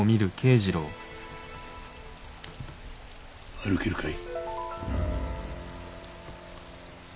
歩けるかい？